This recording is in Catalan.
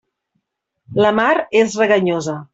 La mar és reganyosa.